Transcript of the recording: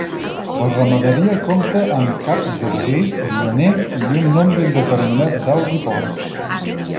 La ramaderia compta amb caps de boví, llaner i un nombre indeterminat d'aus i porcs.